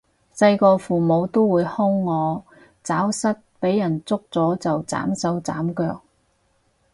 細個父母都會兇我走失畀人捉咗就斬手斬腳